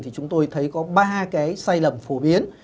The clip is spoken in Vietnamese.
thì chúng tôi thấy có ba cái sai lầm phổ biến